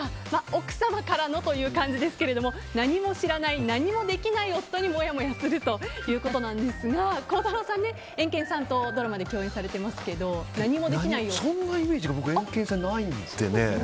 奥様からのという感じですが何も知らない、何もできない夫にもやもやするということですが孝太郎さん、エンケンさんとドラマで共演されてますけどそんなイメージがエンケンさんにないんでね。